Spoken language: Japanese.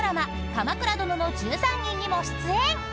『鎌倉殿の１３人』にも出演！］